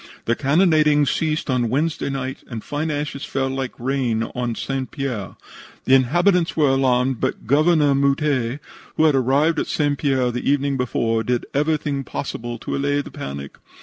The cannonading ceased on Wednesday night, and fine ashes fell like rain on St. Pierre. The inhabitants were alarmed, but Governor Mouttet, who had arrived at St. Pierre the evening before, did everything possible to allay the panic.